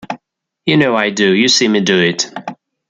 You know I do; you see me do it.